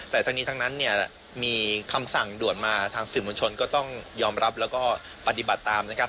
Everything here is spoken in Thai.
แต่ทั้งนี้ทั้งนั้นเนี่ยมีคำสั่งด่วนมาทางสื่อมวลชนก็ต้องยอมรับแล้วก็ปฏิบัติตามนะครับ